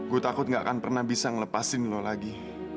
gue takut gak akan pernah bisa ngelepasin lo lagi